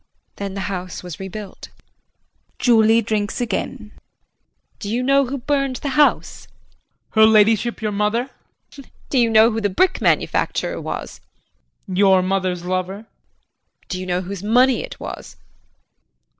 Then the house was rebuilt. [Julie drinks again.] Do you know who burned the house? JEAN. Her ladyship, your mother? JULIE. Do you know who the brick manufacturer was? JEAN. Your mother's lover? JULIE. Do you know whose money it was?